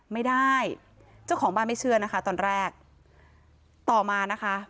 ไม่ได้เจ้าของบ้านไม่เชื่อนะคะตอนแรกต่อมานะคะ